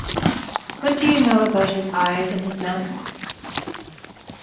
What do you know about his eyes and his manners?